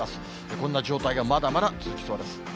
こんな状態がまだまだ続きそうです。